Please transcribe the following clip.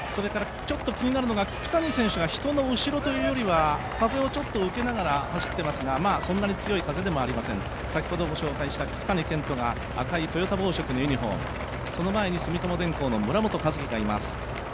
気になるのが聞谷選手が人の後ろというよりは風を受けながら走ってますがそんなに強い風でもありません、先ほどご紹介した聞谷賢人が赤いトヨタ紡織のユニフォーム、その前に住友電工の村本一樹がいます。